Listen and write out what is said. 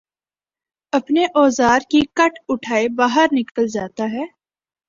اپنے اوزار کی کٹ اٹھائے باہر نکل جاتا ہے